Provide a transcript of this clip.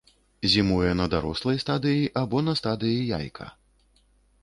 Зімуе на дарослай стадыі або на стадыі яйка.